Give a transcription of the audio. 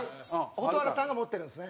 蛍原さんが持ってるんですね。